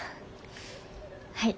はい。